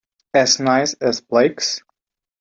As nice as Blake's?